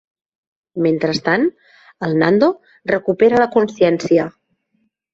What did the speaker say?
Mentrestant, el Nando recupera la consciència.